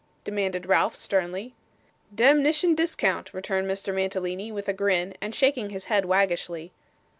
demanded Ralph, sternly. 'Demnition discount,' returned Mr. Mantalini, with a grin, and shaking his head waggishly.